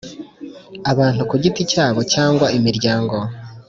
Abantu ku giti cyabo cyangwa imiryango